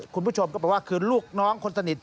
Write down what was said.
คุณผู้ชมก็บอกว่าคือลูกน้องคนสนิท